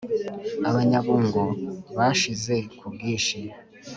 abanyabungo bashize kubwinshi